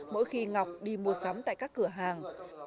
mỗi khi ngọc đi mua sắm tại các cửa hàng